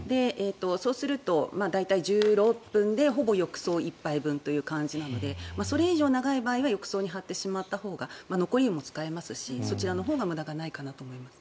そうすると、大体１６分でほぼ浴槽１杯分なのでそれ以上長い場合は浴槽に張ってしまったほうが残りも使えますしそちらのほうが無駄がないかなと思います。